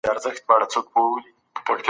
د ښار او صحرائي ټولنو ترمنځ فرق څه دی؟